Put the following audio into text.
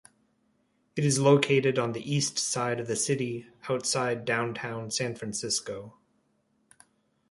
It is located on the east side of the city, outside Downtown San Francisco.